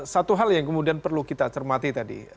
satu hal yang kemudian perlu kita cermati tadi